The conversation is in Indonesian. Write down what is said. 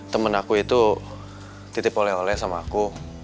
temen aku itu titip oleh oleh sama aku